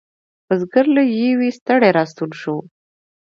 بزگر له یویې ستړی را ستون شو.